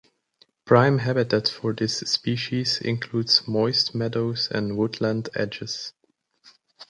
Prime habitat for this species includes moist meadows and woodland edges.